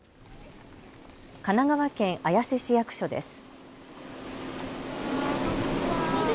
神奈川県綾瀬市役所です。